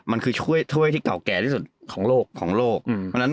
มันคือถ้วยที่เก่าแก่ที่สุดของโลกของโลกเพราะฉะนั้น